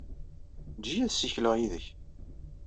Eǧǧ-iyi ad ssikleɣ yid-k.